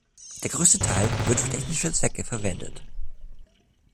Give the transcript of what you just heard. Der größte Teil wird für technische Zwecke verwendet.